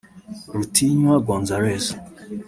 Rutinywa Gonzalez